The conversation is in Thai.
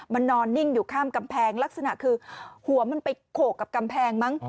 มันนอนนิ่งอยู่ข้ามกำแพงลักษณะคือหัวมันไปโขกกับกำแพงมั้ง